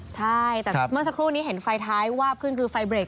ใช่แต่เมื่อสักครู่นี้เห็นไฟท้ายวาบขึ้นคือไฟเบรก